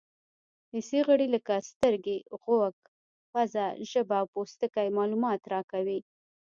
حسي غړي لکه سترګې، غوږ، پزه، ژبه او پوستکی معلومات راکوي.